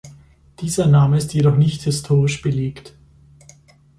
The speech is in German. Dieser Name ist jedoch nicht historisch belegt.